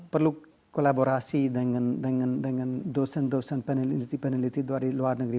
perlu kolaborasi dengan dosen dosen peneliti peneliti dari luar negeri